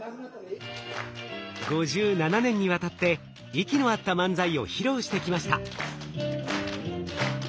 ５７年にわたって息の合った漫才を披露してきました。